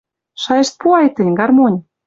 Шайышт пуай тӹнь, гармонь